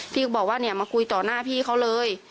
พี่ก็บอกว่าเนี่ยมาคุยต่อหน้าพี่เขาเลย